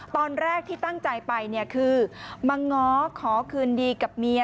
ตอนแรกที่ตั้งใจไปเนี่ยคือมาง้อขอคืนดีกับเมีย